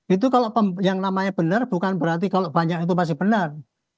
itu kalau yang namanya benar bukan berarti kalau banyak itu masih benar